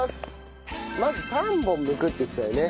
まず３本剥くって言ってたよね。